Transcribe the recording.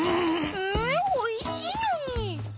えおいしいのに。